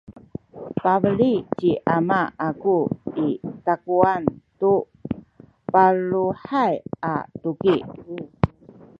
pabeli ci ama aku i takuwan tu baluhay a tuki